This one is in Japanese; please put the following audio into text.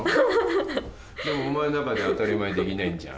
でもお前の中で当たり前にできないんじゃん。